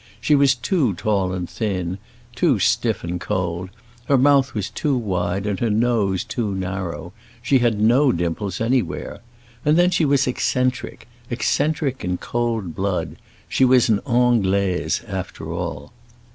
She was too tall and thin, too stiff and cold; her mouth was too wide and her nose too narrow. She had no dimples anywhere. And then she was eccentric, eccentric in cold blood; she was an Anglaise, after all.